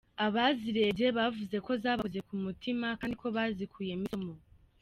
Abazirebye bavuze ko zabakoze ku mutuma kandi ko bazikuyemo isomo.